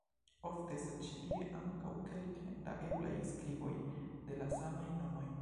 Ofte estas ĉi tie ankaŭ kelke da eblaj skriboj de la samaj nomoj.